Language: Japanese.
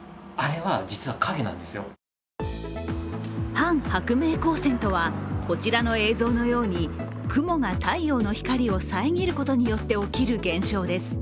反薄明光線とはこちらの映像のように、雲が太陽の光を遮ることによって起きる現象です。